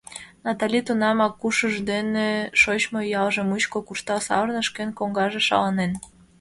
Натали тунамак ушыж дене шочмо ялже мучко куржтал савырныш: кӧн коҥгаже шаланен?